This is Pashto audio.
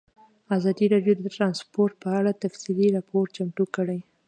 ازادي راډیو د ترانسپورټ په اړه تفصیلي راپور چمتو کړی.